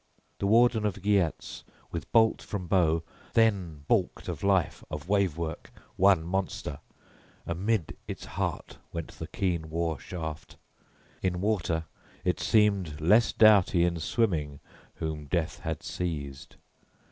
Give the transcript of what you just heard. The warden of Geats, with bolt from bow, then balked of life, of wave work, one monster, amid its heart went the keen war shaft; in water it seemed less doughty in swimming whom death had seized.